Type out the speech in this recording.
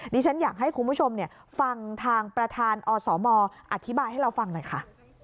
ดิฉันอยากให้คุณผู้ชมฟังทางประธานอสมอธิบายให้เราฟังหน่อยค่ะ